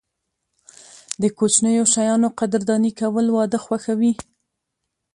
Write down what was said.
د کوچنیو شیانو قدرداني کول، واده خوښوي.